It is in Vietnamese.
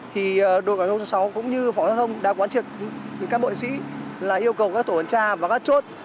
thì đội quản lộ số sáu cũng như phòng giao thông đã quản triệt các bộ diễn sĩ là yêu cầu các tổ quản tra và các chốt